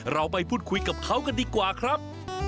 เราไปพูดคุยกับเขากันดีกว่าครับ